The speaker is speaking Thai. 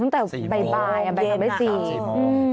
ตั้งแต่ใบบายแบบนั้นไม่ได้๔โมง